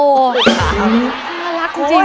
อื้น่ารักจริง